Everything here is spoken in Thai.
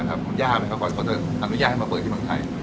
ยากไหมคะเพราะเจ้าทำรู้ยากให้มาเปิดที่เมืองไทย